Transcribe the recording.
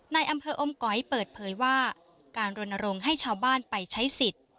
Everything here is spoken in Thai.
ในอำเภออมก๋อยเปิดเผยว่าการรณรงค์ให้ชาวบ้านไปใช้สิทธิ์